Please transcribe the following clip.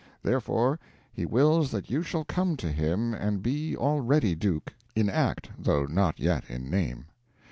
Therefore he wills that you shall come to him and be already Duke in act, though not yet in name.